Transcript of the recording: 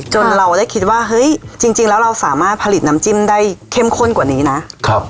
เราได้คิดว่าเฮ้ยจริงแล้วเราสามารถผลิตน้ำจิ้มได้เข้มข้นกว่านี้นะครับ